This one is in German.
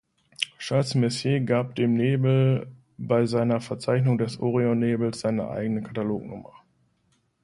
Charles Messier gab dem Nebel bei seiner Verzeichnung des Orionnebels eine eigene Katalognummer.